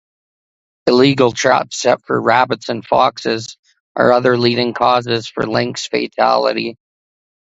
Illegal traps set for rabbits and foxes are other leading causes for lynx fatality.